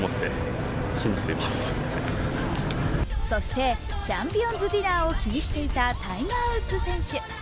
そしてチャンピオンズディナーを気にしていたタイガー・ウッズ選手。